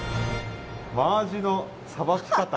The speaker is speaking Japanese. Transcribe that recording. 「マアジのさばきかた」。